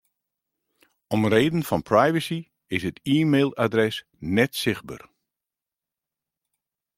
Om reden fan privacy is it e-mailadres net sichtber.